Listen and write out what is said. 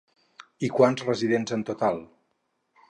I quants residents en total?